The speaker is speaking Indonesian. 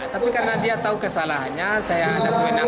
tapi karena dia tahu kesalahannya saya ada kemenangan